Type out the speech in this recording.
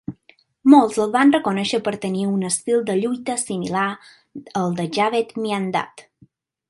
Molts el van reconèixer per tenir un estil de lluita similar al de Javed Miandad.